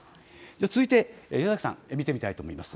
続いて矢崎さんを見てみたいと思います。